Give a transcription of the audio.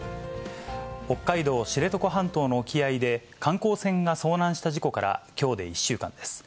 北海道知床半島の沖合で、観光船が遭難した事故から、きょうで１週間です。